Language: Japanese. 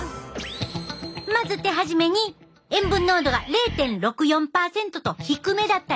まず手始めに塩分濃度が０．６４％と低めだった西川さんから。